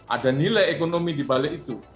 ada nilai ekonomi di balik itu